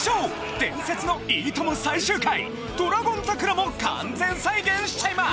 伝説の『いいとも』最終回『ドラゴン桜』も完全再現しちゃいます！